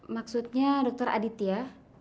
maksudnya dokter aditya